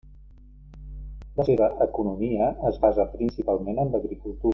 La seva economia es basa principalment en l'agricultura.